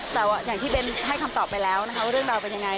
แต่ว่าอย่างที่เบนให้คำตอบไปแล้วนะคะว่าเรื่องราวเป็นยังไง